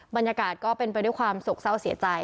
บรรยากาศก็เป็นไปด้วยความโศกเศร้าเสียใจ